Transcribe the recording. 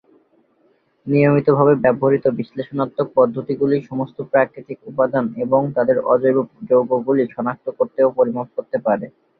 নিয়মিতভাবে ব্যবহৃত বিশ্লেষণাত্মক পদ্ধতিগুলি সমস্ত প্রাকৃতিক উপাদান এবং তাদের অজৈব যৌগগুলি শনাক্ত করতে ও পরিমাপ করতে পারে।